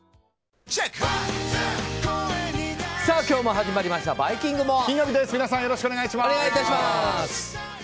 今日も始まりました「バイキングＭＯＲＥ」。